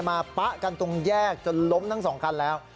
ป๊ะกันตรงแยกจนล้มทั้งสองคันแล้ว